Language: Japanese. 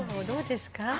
どうですか？